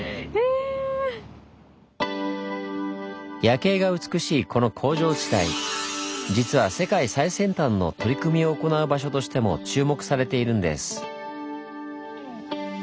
夜景が美しいこの工場地帯実は世界最先端の取り組みを行う場所としても注目されているんです。